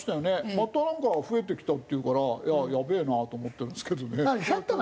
またなんか増えてきたっていうからやべえなと思ってるんですけどね。